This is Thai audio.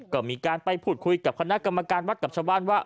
ก็มีการไปพูดคุยกับคณะกรรมการวัดกับชาวบ้านว่า